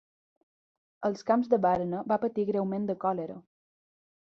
Als camps de Varna va patir greument de còlera.